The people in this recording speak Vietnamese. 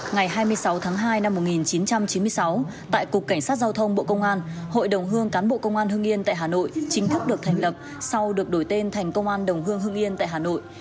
ngày hai mươi sáu tháng hai năm một nghìn chín trăm chín mươi sáu tại cục cảnh sát giao thông bộ công an hội đồng hương cán bộ công an hương yên tại hà nội chính thức được thành lập sau được đổi tên thành công an đồng hương hương yên tại hà nội